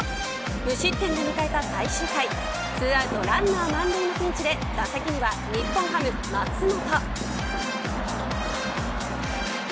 無失点で迎えた最終回２アウトランナー満塁のピンチで打席には日本ハム、松本。